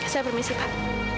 saya permisi pak